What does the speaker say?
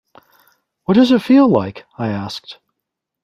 “What does it feel like?” I asked.